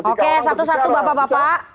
oke satu satu bapak bapak